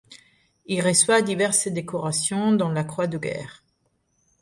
Il reçoit diverses décorations dont la croix de guerre.